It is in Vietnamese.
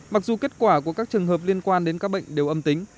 mặc dù kết quả của các trường hợp liên quan đến các bệnh đều âm tính